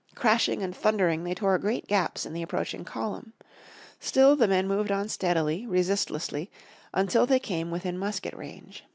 Crashing and thundering they tore great gaps in the approaching column. Still the men moved on steadily, resistlessly, until they came within musket range.